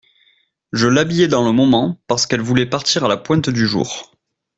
Je l'habillais dans le moment, parce qu'elle voulait partir à la pointe du jour.